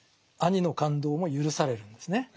兄の勘当も許されるんですね。